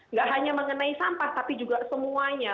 nggak hanya mengenai sampah tapi juga semuanya